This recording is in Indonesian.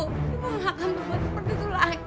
ibu gak akan berbuat seperti itu lagi